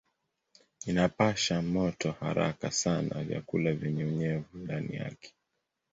Inapasha moto haraka sana vyakula vyenye unyevu ndani yake.